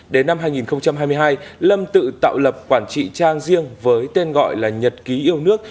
đến năm hai nghìn hai mươi hai lâm tự tạo lập quản trị trang riêng với tên gọi là nhật ký yêu nước